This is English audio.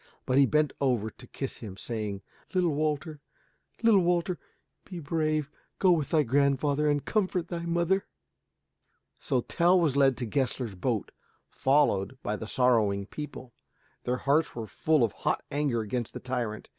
But he bent over him to kiss him, saying, "Little Walter, little Walter, be brave. Go with thy grandfather and comfort thy mother." So Tell was led to Gessler's boat, followed by the sorrowing people. Their hearts were full of hot anger against the tyrant.